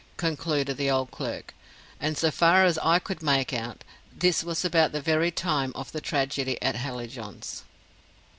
concluded the old clerk; "and so far as I could make out, this was about the very time of the tragedy at Hallijohn's."